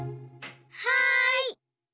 はい！